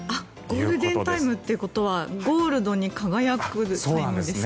ゴールデンタイムということはゴールドに輝くタイムですか？